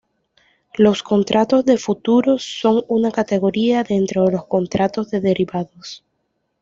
Los contratos de futuros son una categoría dentro de los contratos de derivados.